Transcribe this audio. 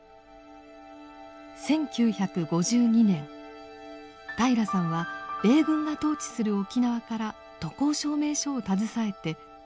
１９５２年平良さんは米軍が統治する沖縄から渡航証明書を携えて日本の本土に留学。